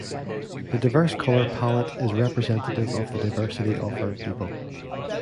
The diverse colour palette is representative of the diversity of our people.